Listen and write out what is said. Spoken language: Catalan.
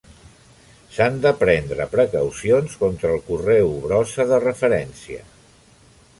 S'han de prendre precaucions contra el correu brossa de referència.